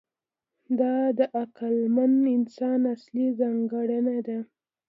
دا د عقلمن انسان اصلي ځانګړنه ده.